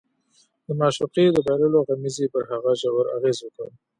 د معشوقې د بایللو غمېزې پر هغه ژور اغېز وکړ